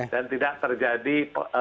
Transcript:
dan tidak terjadi